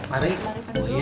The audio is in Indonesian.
mari pak dudung